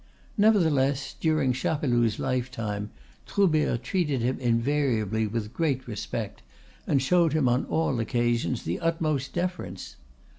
Nevertheless, during Chapeloud's lifetime Troubert treated him invariably with great respect, and showed him on all occasions the utmost deference.